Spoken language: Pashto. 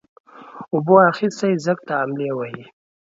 اوبو اخيستى ځگ ته املې وهي.